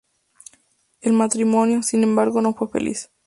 El matrimonio, sin embargo, no fue feliz.